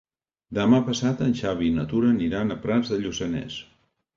Demà passat en Xavi i na Tura aniran a Prats de Lluçanès.